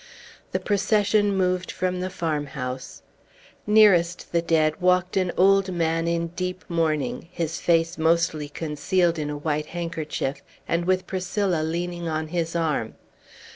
The procession moved from the farmhouse. Nearest the dead walked an old man in deep mourning, his face mostly concealed in a white handkerchief, and with Priscilla leaning on his arm.